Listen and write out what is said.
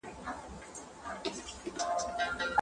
د انسان کرامت ته باید تل درناوی وسي.